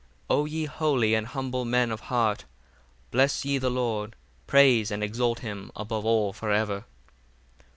65 O ye holy and humble men of heart, bless ye the Lord: praise and exalt him above all for ever.